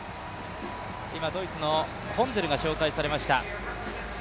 今、ドイツのホンゼルが紹介されました。